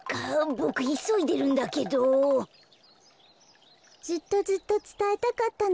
ボクいそいでるんだけど。ずっとずっとつたえたかったの。